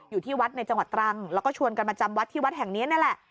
อยู่ที่วัดในจังหวัดตรังแล้วก็ชวนกันมาจำวัดที่วัดแห่งนี้นั่นแหละ